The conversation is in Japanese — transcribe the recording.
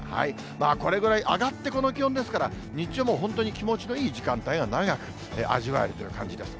これぐらい、上がってこの気温ですから、日中はもう、本当に気持ちのいい時間帯が長く味わえるという感じです。